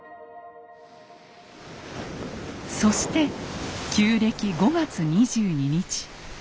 そして旧暦５月２２日。